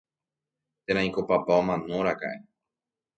térãiko papa omanoraka'e